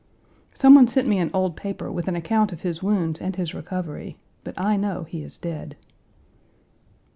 "Some one sent me an old paper with an account of his wounds and his recovery, but I know he is dead."